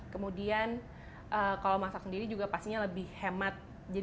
kemudian kalau masak sendiri juga pastinya lebih hemat